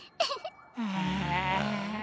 ・ああ。